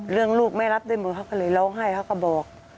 เรื่องลูกแม่รับได้หมดเขาก็เลยร้องให้เขาก็บอก